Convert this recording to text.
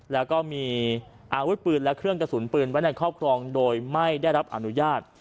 แล้วก็มีอาวุธปืนและเครื่องกระสุนปืนไว้ในครอบครองโดยไม่ได้รับอนุญาต